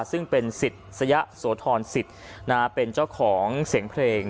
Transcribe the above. ซึ่งเป็นสิทธิ์สยะสวทรสิทธิ์นะฮะเป็นเจ้าของเสียงเพลง